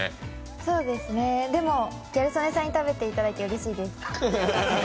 そうですね、でもギャル曽根さんに食べていただいてうれしいです。